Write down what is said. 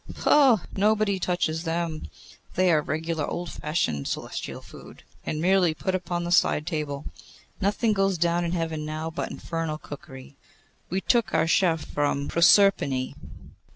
'Poh! nobody touches them. They are regular old fashioned celestial food, and merely put upon the side table. Nothing goes down in Heaven now but infernal cookery. We took our chef from Proserpine.